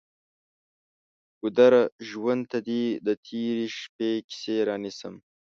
ګودره! ژوند ته دې د تیرې شپې کیسې رانیسم